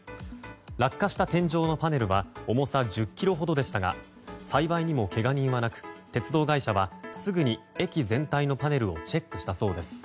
落下した天井のパネルは重さ１０ｋｇほどでしたが幸いにもけが人はなく鉄道会社はすぐに駅全体のパネルをチェックしたそうです。